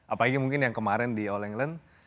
apalagi mungkin yang kemarin di all england